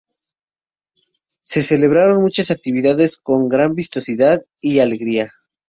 Se celebraron muchas actividades con gran vistosidad y alegría.